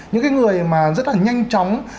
những cái người mà rất là nhanh chóng